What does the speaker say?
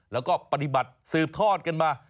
แล้วก็ปฏิบัติสืบทอดกันมา